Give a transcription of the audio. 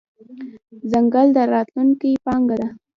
ځنګل د راتلونکې پانګه ده.